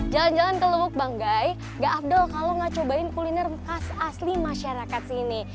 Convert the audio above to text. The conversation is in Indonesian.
jalan jalan ke lubanggai gak afdal kalau gak cobain kuliner khas asli masyarakat sini